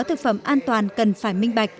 thực phẩm an toàn cần phải minh bạch